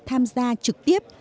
tham gia trực tiếp